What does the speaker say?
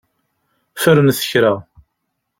Fernet kra.